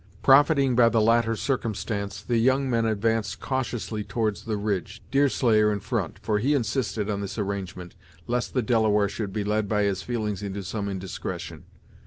Profiting by the latter circumstance, the young men advanced cautiously towards the ridge, Deerslayer in front, for he insisted on this arrangement, lest the Delaware should be led by his feelings into some indiscretion.